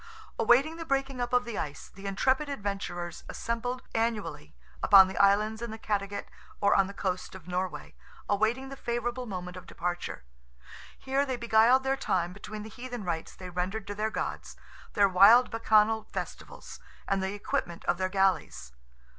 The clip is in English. Awaiting the breaking up of the ice, the intrepid adventurers assembled annually upon the islands in the Cattegat or on the coast of Norway, awaiting the favourable moment of departure. Here they beguiled their time between the heathen rites they rendered to their gods, their wild bacchanal festivals, and the equipment of their galleys.